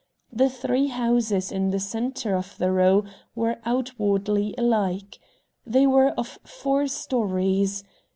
The three houses in the centre of the row were outwardly alike. They were of four stories.